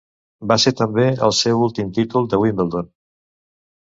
Va ser també el seu últim títol de Wimbledon.